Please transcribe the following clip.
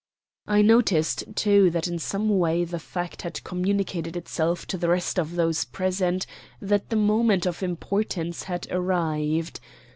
I noticed, too, that in some way the fact had communicated itself to the rest of those present that the moment of importance had arrived.